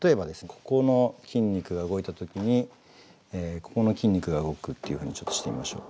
ここの筋肉が動いた時にここの筋肉が動くっていうふうにちょっとしてみましょう。